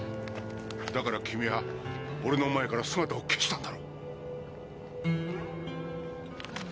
だから君は俺の前から姿を消したんだろう？